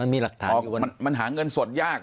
มันหาเงินสดยาก